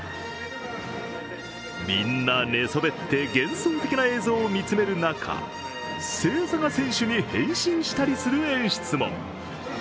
みんな寝そべって、幻想的な映像を見つめる中星座が選手に変身したりする演出も。